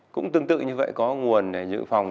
cũng tương tự như vậy có nguồn để dự phòng